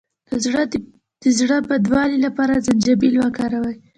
د زړه بدوالي لپاره زنجبیل وکاروئ